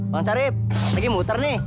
bang sharif kita pergi muter nih